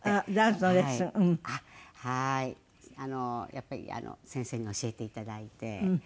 やっぱり先生に教えていただいてはい。